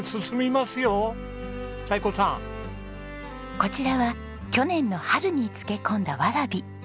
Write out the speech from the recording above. こちらは去年の春に漬け込んだわらび。